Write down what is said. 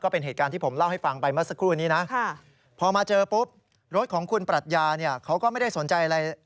พอมาเจอปุ๊บรถของคุณปรัชญาเนี่ยเขาก็ไม่ได้สนใจอะไร